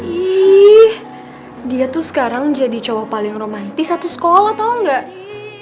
ih dia tuh sekarang jadi cowok paling romantis satu sekolah tau gak